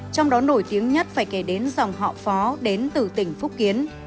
trong đó nổi tiếng nhất phải kể đến dòng họ phó đến từ tỉnh phúc kiến